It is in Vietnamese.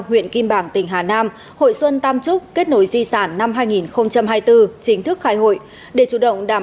huyện kim bảng tỉnh hà nam hội xuân tam trúc kết nối di sản năm hai nghìn hai mươi bốn chính thức khai hội